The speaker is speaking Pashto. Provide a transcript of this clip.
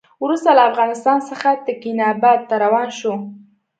وروسته له افغانستان څخه تکیناباد ته روان شو.